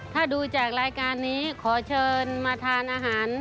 ถ้าดูจากรายการนี้ขอเชิญมาทานอาหาร